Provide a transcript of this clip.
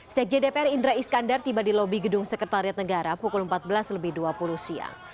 sekjen dpr indra iskandar tiba di lobi gedung sekretariat negara pukul empat belas lebih dua puluh siang